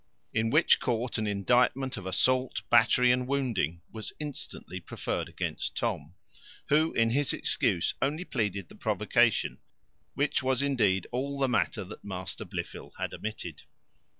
In which court an indictment of assault, battery, and wounding, was instantly preferred against Tom; who in his excuse only pleaded the provocation, which was indeed all the matter that Master Blifil had omitted.